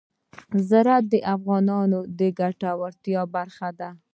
زراعت د افغانانو د ګټورتیا برخه ده.